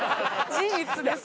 事実です。